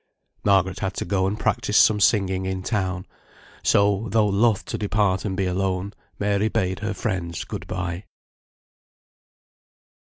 Margaret had to go and practise some singing in town; so, though loth to depart and be alone, Mary bade her friends good bye.